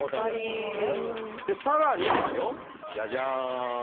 更にですよジャジャン！